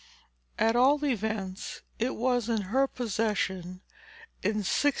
At all events it was in her possession in 1637.